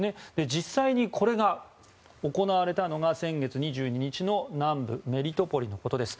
実際にこれが行われたのが先月２２日の南部メリトポリのことです。